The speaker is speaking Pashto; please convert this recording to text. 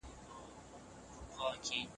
د نفوسو اندازه او جوړښت د چټک بدلون په حال کي دی.